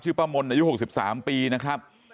ป้ามนอายุ๖๓ปีนะครับ